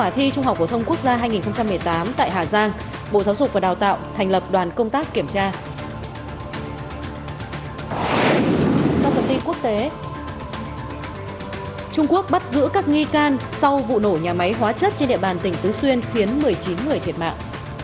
trung quốc bắt giữ các nghi can sau vụ nổ nhà máy hóa chất trên địa bàn tỉnh tứ xuyên khiến một mươi chín người thiệt mạng